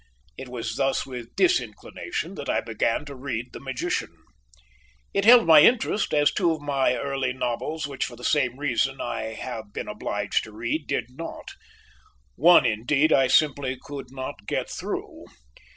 It was thus with disinclination that I began to read The Magician. It held my interest, as two of my early novels, which for the same reason I have been obliged to read, did not. One, indeed, I simply could not get through.